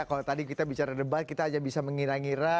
kalau tadi kita bicara debat kita hanya bisa mengira ngira